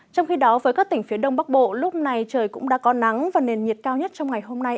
trong khi đó với các tỉnh phía đông bắc bộ lúc này trời cũng đã có nắng và nền nhiệt cao nhất trong ngày hôm nay